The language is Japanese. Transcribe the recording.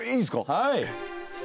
はい。